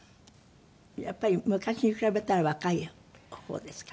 やっぱり昔に比べたら若い方ですかね？